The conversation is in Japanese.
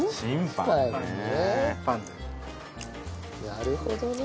なるほどね。